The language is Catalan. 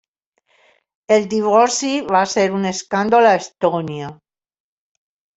El divorci va ser un escàndol a Estònia.